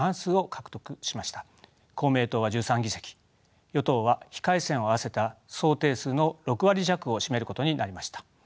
公明党は１３議席与党は非改選を合わせた総定数の６割弱を占めることになりました。